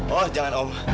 oh jangan om